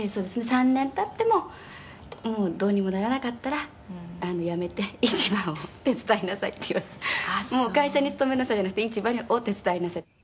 「３年経ってもどうにもならなかったらやめて市場を手伝いなさいって言われて」「会社に勤めなさいじゃなくて市場を手伝いなさい」